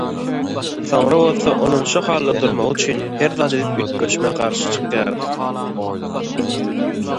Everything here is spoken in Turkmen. soňra bolsa onuň şo halda durmagy üçin her zat edip üýtgeşmä garşy çykýarys.